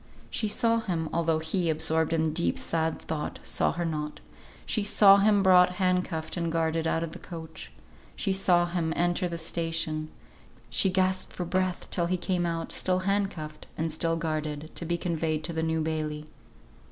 She saw him (although he, absorbed in deep sad thought, saw her not), she saw him brought hand cuffed and guarded out of the coach. She saw him enter the station, she gasped for breath till he came out, still hand cuffed, and still guarded, to be conveyed to the New Bailey.